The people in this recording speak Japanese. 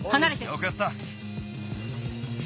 よくやった。